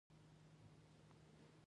ولاړ شو ښه به وي، څوک به مو ویني هم نه.